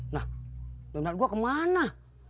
nah benar gue kemana